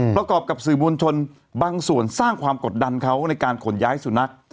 กับสื่อมวลชนบางส่วนสร้างความกดดันเขาในการขนย้ายสุนัข